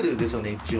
一応。